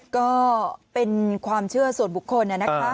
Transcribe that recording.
ก็เป็นความเชื่อส่วนบุคคลนะคะ